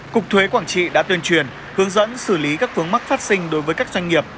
cục thuế quảng trị đã tuyên truyền hướng dẫn xử lý các phương mắc phát sinh đối với các doanh nghiệp